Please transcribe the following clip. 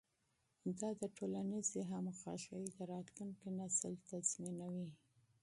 دا د ټولنیزې همغږۍ د راتلونکي نسل تضمینوي.